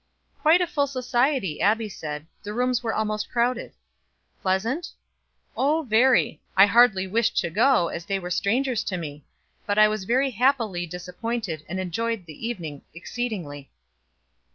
"Quite a full society Abbie said. The rooms were almost crowded." "Pleasant?" "Oh very. I hardly wished to go as they were strangers to me; but I was very happily disappointed, and enjoyed the evening exceedingly."